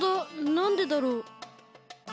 なんでだろう？